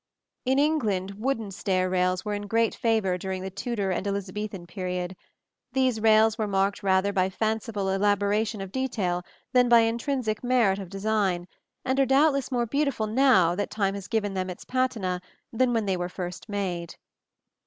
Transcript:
In England wooden stair rails were in great favor during the Tudor and Elizabethan period. These rails were marked rather by fanciful elaboration of detail than by intrinsic merit of design, and are doubtless more beautiful now that time has given them its patina, than they were when first made.